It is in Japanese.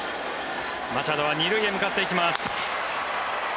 マチャドは２塁へ向かっていきます。